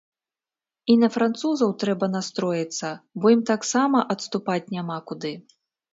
І на французаў трэба настроіцца, бо ім таксама адступаць няма куды.